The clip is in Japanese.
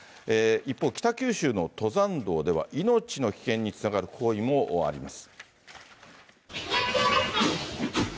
一方、北九州の登山道では、命の危険につながる行為もあります。